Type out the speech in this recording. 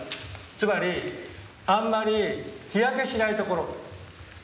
つまりあんまり日焼けしない所。